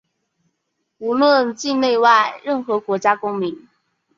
无论境内外、任何国家公民